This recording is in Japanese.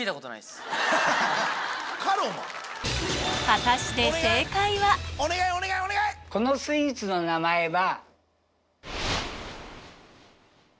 果たしてこのスイーツの名前は。